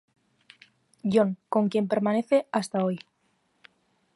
John, con quien permanece hasta hoy.